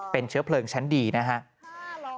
เป็นเชื้อเพลิงชั้นดีนะครับ